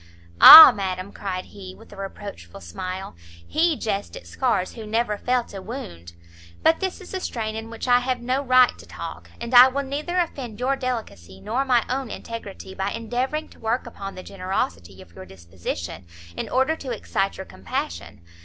"Ah, madam," cried he, with a reproachful smile, "he jests at scars who never felt a wound! but this is a strain in which I have no right to talk, and I will neither offend your delicacy, nor my own integrity, by endeavouring to work upon the generosity of your disposition in order to excite your compassion.